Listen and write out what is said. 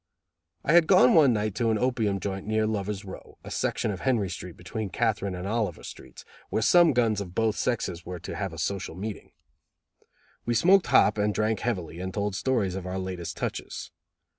I had gone one night to an opium joint near Lovers Row, a section of Henry Street between Catherine and Oliver Streets, where some guns of both sexes were to have a social meeting. We smoked hop and drank heavily and told stories of our latest touches.